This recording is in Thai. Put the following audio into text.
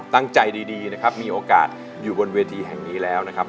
ตั้งใจดีนะครับมีโอกาสอยู่บนเวทีแห่งนี้แล้วนะครับ